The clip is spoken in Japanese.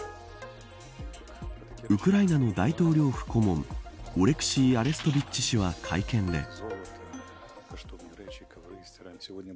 ウクライナの大統領府顧問オレクシー・アレストビッチ氏は会見で。